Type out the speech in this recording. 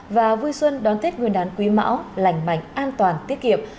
và vui xuân đón thết nguyên đán quý mão lành mạnh an toàn tiết kiệp